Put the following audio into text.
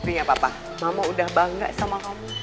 tapi apa apa mama udah bangga sama kamu